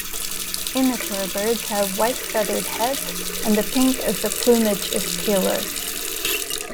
Immature birds have white, feathered heads, and the pink of the plumage is paler.